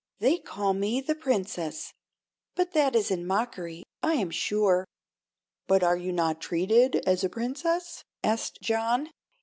"They call me the Princess; but that is in mockery, I am sure." "But are you not treated as a Princess?" asked John.